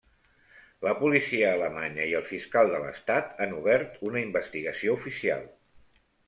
La policia alemanya i el fiscal de l'Estat han obert una investigació oficial.